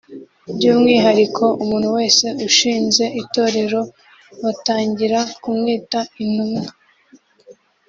by’umwihariko umuntu wese ushinze itorero batangira kumwita Intumwa